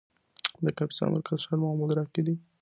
د کاپیسا مرکزي ښار محمودراقي دی.